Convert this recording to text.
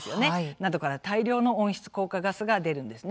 などから大量の温室効果があるんです。